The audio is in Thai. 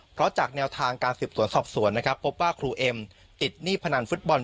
เพราะจากแนวทางการสืบสวนสอบสวนนะครับพบว่าครูเอ็มติดหนี้พนันฟุตบอล